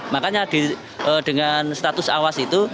makanya dengan status awas itu